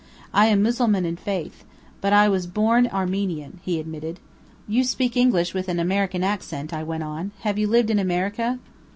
I am Mussulman in faith. But I was born Armenian," he admitted. "You speak English with an American accent," I went on. "Have you lived in America?"